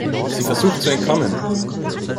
Sie versucht zu entkommen!